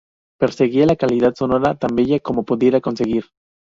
Perseguía la calidad sonora tan bella como pudiera conseguir.